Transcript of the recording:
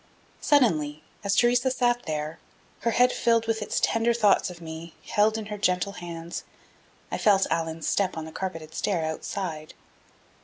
Suddenly, as Theresa sat there, her head, filled with its tender thoughts of me, held in her gentle hands, I felt Allan's step on the carpeted stair outside.